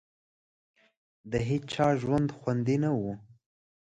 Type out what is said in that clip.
د هېچا ژوند خوندي نه وو.